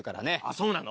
そうなの？